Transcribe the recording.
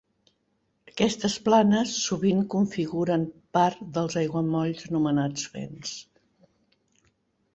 Aquestes planes sovint configuren part dels aiguamolls anomenats Fens.